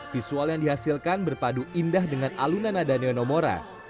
visual yang dihasilkan berpadu indah dengan alunan nada neonomora